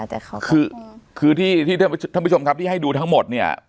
แต่เขาคือคือที่ท่านผู้ชมครับที่ให้ดูทั้งหมดเนี่ย